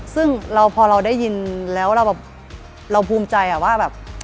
ซึ่งเราพอเราได้ยินแล้วเราแบบเราภูมิใจว่าแบบ